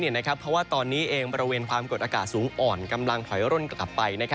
เพราะว่าตอนนี้เองบริเวณความกดอากาศสูงอ่อนกำลังถอยร่นกลับไป